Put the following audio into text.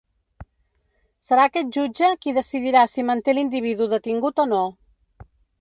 Serà aquest jutge qui decidirà si manté l’individu detingut o no.